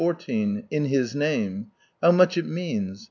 In His Name." How much it means